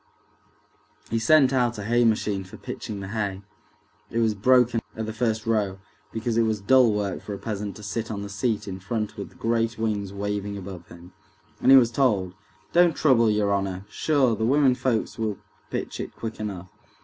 He sent out a hay machine for pitching the hay—it was broken at the first row because it was dull work for a peasant to sit on the seat in front with the great wings waving above him. And he was told, "Don't trouble, your honor, sure, the womenfolks will pitch it quick enough."